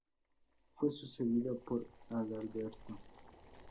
Fue sucedido por Adalberto.